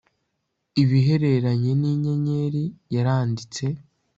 ibihereranye n inyenyeri yaranditse